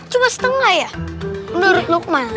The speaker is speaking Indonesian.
cuma setengah ya